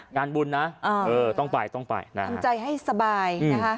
งานบุญนะเออต้องไปต้องไปนะทำใจให้สบายนะคะ